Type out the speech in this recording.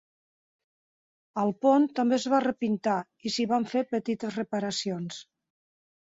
El pont també es va repintar i s'hi van fer petites reparacions.